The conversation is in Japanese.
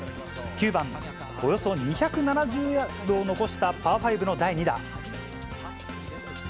９番、およそ２７０ヤードを残したパー５の第２打。